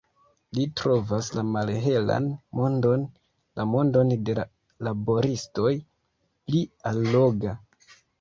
Li trovas la malhelan mondon, la mondon de la laboristoj, pli alloga.